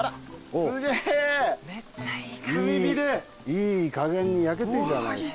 いい加減に焼けてんじゃないですか。